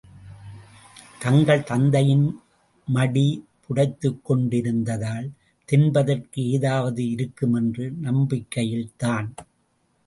தங்கள் தந்தையின் மடி, புடைத்துக் கொண்டு இருந்ததால், தின்பதற்கு ஏதாவது இருக்கும் என்ற நம்பிக்கையில்தான்.